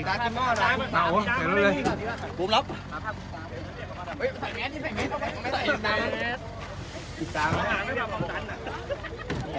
แล้วก็ลงใจ